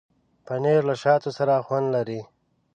پنېر له شاتو سره خوند لري.